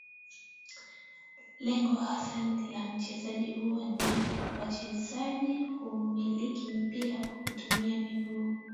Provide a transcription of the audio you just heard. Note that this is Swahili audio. Lengo hasa la mchezo huu ni wachezaji kuumiliki mpira kwa kutumia miguu